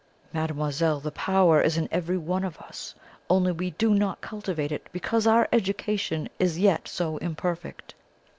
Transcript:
Mademoiselle, this power is in every one of us; only we do not cultivate it, because our education is yet so imperfect.